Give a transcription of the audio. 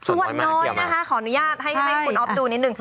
ส่วนน้อยนะคะขออนุญาตให้คุณอ๊อฟดูนิดนึง